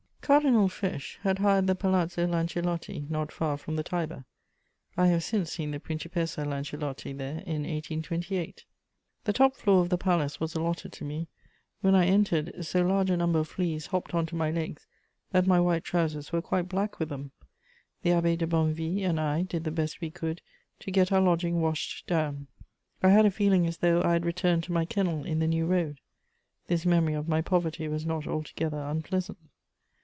* Cardinal Fesch had hired the Palazzo Lancelotti, not far from the Tiber: I have since seen the Principessa Lancelotti there, in 1828. The top floor of the palace was allotted to me; when I entered, so large a number of fleas hopped on to my legs that my white trousers were quite black with them. The Abbé de Bonnevie and I did the best we could to get our lodging washed down. I had a feeling as though I had returned to my kennel in the New Road; this memory of my poverty was not altogether unpleasant.